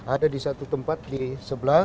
ada di satu tempat di sebelah